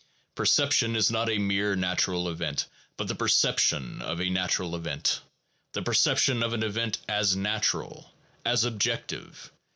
Perception is not a mere natural event, but the perception of a natural event, the perception of an event as natural, as objective.